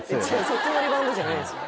そっちのリバウンドじゃないんですよ